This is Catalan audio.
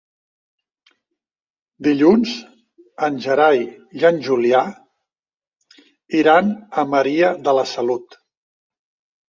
Dilluns en Gerai i en Julià iran a Maria de la Salut.